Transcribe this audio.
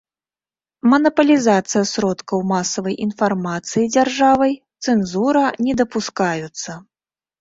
Манапалізацыя сродкаў масавай інфармацыі дзяржавай, цэнзура не дапускаюцца.